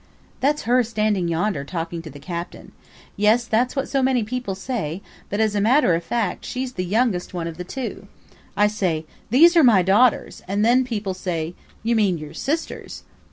... "That's her standing yonder talking to the captain. Yes, that's what so many people say, but as a matter of fact, she's the youngest one of the two. I say, 'These are my daughters,' and then people say, 'You mean your sisters.'